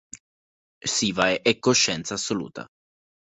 Śiva è Coscienza assoluta.